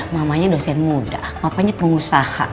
mamanya dosen muda papanya pengusaha